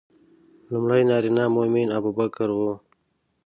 لومړی نارینه مؤمن ابوبکر و.